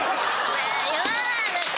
ねぇ言わないで。